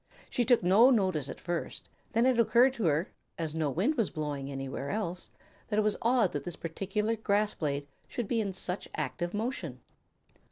She took no notice at first; then it occurred to her, as no wind was blowing anywhere else, it was odd that this particular grass blade should be in such active motion.